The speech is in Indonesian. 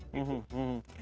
terima kasih pak